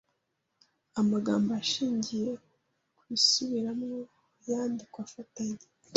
Amagambo ashingiye ku isubiramo yandikwa afatanye